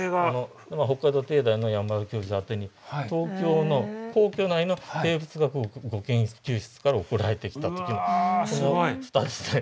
北海道帝大の山田教授宛てに東京の皇居内の生物学御研究室から送られてきた時の蓋ですね。